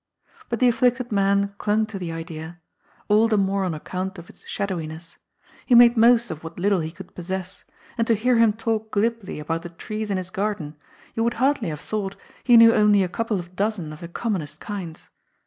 But the afflicted man clung to the idea — ^all the more on account of its shadowiness ; he made most of what little he could pos sess, and to hear him talk glibly about the trees in his gar den, you would hardly have thought he knew only a couple of dozen of the commonest kinds.